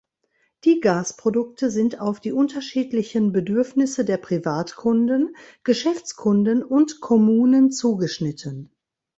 Die Gas-Produkte sind auf die unterschiedlichen Bedürfnisse der Privatkunden, Geschäftskunden und Kommunen zugeschnitten.